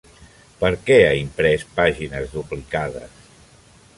Per què ha imprès pàgines duplicades?